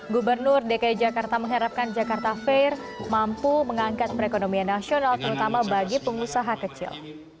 gubernur dki jakarta mengharapkan jakarta fair mampu mengangkat perekonomian nasional terutama bagi pengusaha kecil